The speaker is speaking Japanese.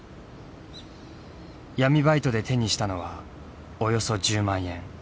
闇バイトで手にしたのはおよそ１０万円。